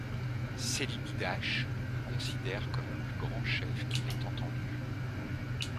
Celibidache le considère comme le plus grand chef qu'il ait entendu.